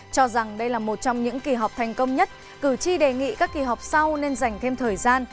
cho rằng đây là một trong những kỳ họp thành công nhất cử tri đề nghị các kỳ họp sau nên dành thêm thời gian